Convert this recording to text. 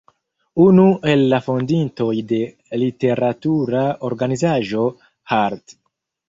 Unu el la fondintoj de literatura organizaĵo "Hart'.